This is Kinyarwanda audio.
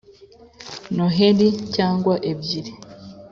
noheri cyangwa ebyiri